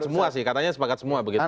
semua sih katanya sepakat semua begitu